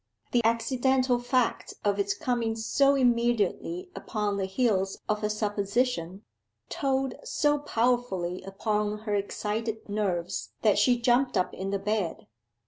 The accidental fact of its coming so immediately upon the heels of her supposition, told so powerfully upon her excited nerves that she jumped up in the bed.